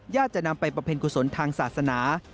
จะนำไปประเพ็ญกุศลทางศาสนา